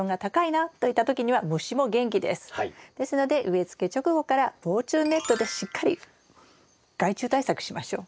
ですので植え付け直後から防虫ネットでしっかり害虫対策しましょう。